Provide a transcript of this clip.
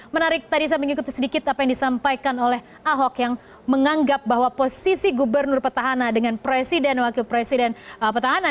menarik tadi saya mengikuti sedikit apa yang disampaikan oleh ahok yang menganggap bahwa posisi gubernur petahana dengan presiden wakil presiden petahana